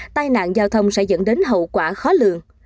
tai nạn giao thông sẽ dẫn đến hậu quả khó lường